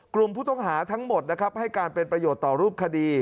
กลุ่มผู้ต้องหาทั้งหมดนะครับให้การเป็นประโยชน์ต่อรูปคดี